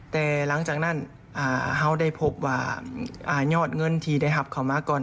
แต่หลังจากนั้นเขาได้พบว่ายอดเงินที่ได้หับเขามาก่อน